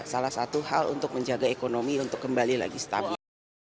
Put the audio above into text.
salah satu hal untuk menjaga ekonomi untuk kembali lagi stabil